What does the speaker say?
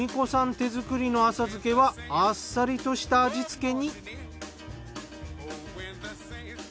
手作りの浅漬けはあっさりとした味つけに。